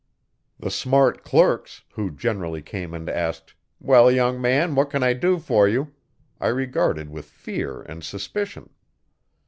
The smart clerks, who generally came and asked, 'Well, young man, what can I do for you?' I regarded with fear and suspicion.